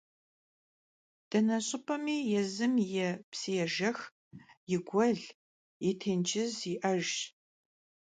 Dene ş'ıp'emi yêzım yi psıêjjex, yi guel yê têncız yi'ejjş.